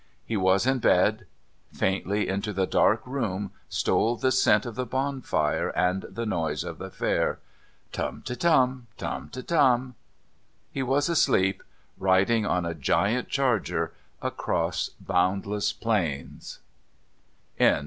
He was in bed; faintly into the dark room, stole the scent of the bonfire and the noise of the Fair. "Tum te Tum... Tum te Tum..." He was asleep, riding on a giant charger across boundless plains. CHAPTER XII.